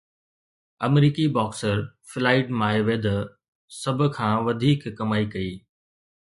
آمريڪي boxer Floyd Mayweather سڀ کان وڌيڪ ڪمائي ڪئي